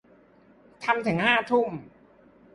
ทำถึงห้าทุ่ม